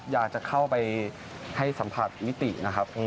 อยากจะเข้าไปให้สัมผัสมิตินะครับ